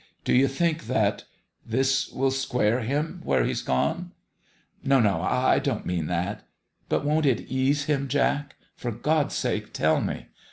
Do you think that this will square him where he's gone ? No, no ! I don't mean that. But won't it ease him, Jack? For God's sake, tell me